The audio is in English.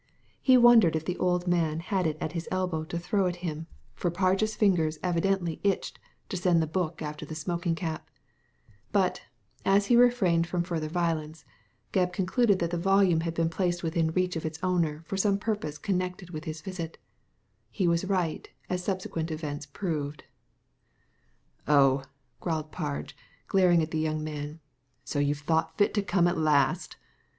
He wondered if the old man had it at his elbow to throw at him, for Digitized by Google A FRIEND IN NEED 49 Parge's fingers evidently itched to send the book after the smoking cap; but, as he refrained from further violence, Gebb concluded that the volume had been placed within reach of its owner for some purpose connected with his visit He was right, as subsequent events proved. Oh 1 " growled Parge, glaring at the young man, "so you've thought fit to come at last?"